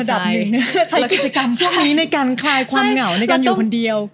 ใช้กิจกรรมพวกนี้ในการคลายความเหงาในการอยู่คนเดียว